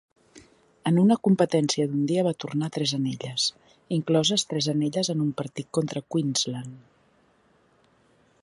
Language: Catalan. En una competència d'un dia va tornar tres anelles, incloses tres anelles en un partit contra Queensland.